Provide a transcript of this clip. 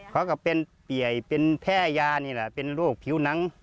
ก็เป็นเปี่ยเป็นแพร่ยานี่แหละเป็นโรคผิวหนัง